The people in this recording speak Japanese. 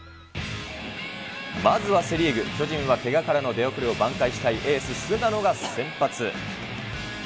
まずはセ・リーグ、巨人はケガからの出遅れを挽回したいエース、菅野が先発。